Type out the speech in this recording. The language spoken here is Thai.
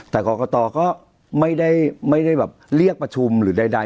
แต่กรกตก็ไม่ได้แบบเรียกประชุมหรือใด